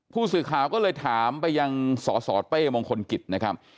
ผู้สื่อข่าวก็เลยถามไปยังสสเต้มงคลกิจนะครับ